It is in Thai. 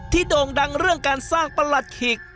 โด่งดังเรื่องการสร้างประหลัดขิก